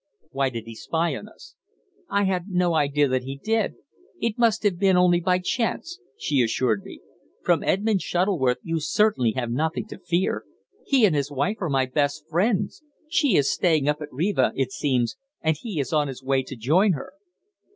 "Why did he spy upon us?" "I had no idea that he did. It must have been only by chance," she assured me. "From Edmund Shuttleworth you certainly have nothing to fear. He and his wife are my best friends. She is staying up at Riva, it seems, and he is on his way to join her."